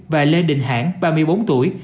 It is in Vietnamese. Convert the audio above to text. và lê đình hãng ba mươi bốn tuổi